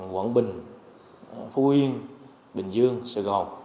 quảng bình phú yên bình dương sài gòn